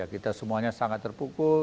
kita semuanya sangat terpukul